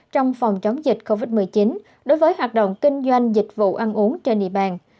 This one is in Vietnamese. trong phòng chống dịch covid một mươi chín đối với hoạt động kinh doanh dịch vụ ăn uống trên địa bàn